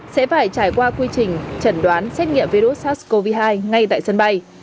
sẽ phải trải qua quy trình chẩn đoán xét nghiệm virus sars cov hai ngay tại sân bay